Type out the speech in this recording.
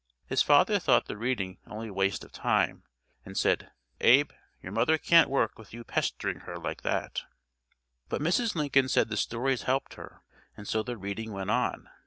His father thought the reading only waste of time and said, "Abe, your mother can't work with you pesterin' her like that," but Mrs. Lincoln said the stories helped her, and so the reading went on.